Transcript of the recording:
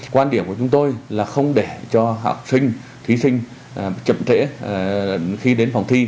quan điểm của chúng tôi là không để cho học sinh thí sinh chậm trễ khi đến phòng thi